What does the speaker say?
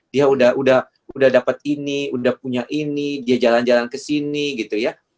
dia udah dapat ini udah punya ini dia jalan jalan ke sini gitu ya